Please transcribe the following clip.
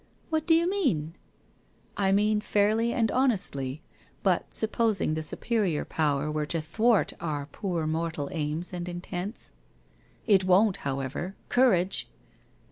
...'' What do you mean ?'' I mean fairly and honestly, but supposing the Su perior Power were to thwart our poor mortal aims and intents ?... It won't, however ! Courage